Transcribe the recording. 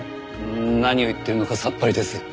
何を言ってるのかさっぱりです。